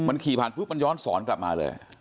มันขี่ผ่านปุ๊บมันย้อนสอนกลับมาเลย